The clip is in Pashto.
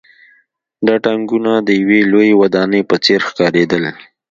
دا ټانکونه د یوې لویې ودانۍ په څېر ښکارېدل